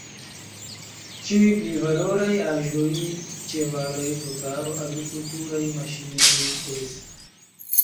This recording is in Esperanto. Ĉiuj pli valoraj aĵoj, ĉevaloj, brutaro, agrikulturaj maŝinoj ks.